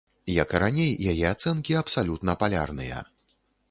Як і раней, яе ацэнкі абсалютна палярныя.